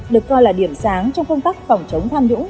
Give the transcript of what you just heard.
được coi là điểm sáng trong công tác phòng chống tham nhũng